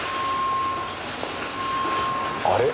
あれ？